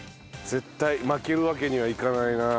絶対負けるわけにはいかないな。